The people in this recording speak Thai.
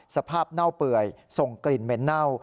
เน่าเปื่อยส่งกลิ่นเหม็นเน่า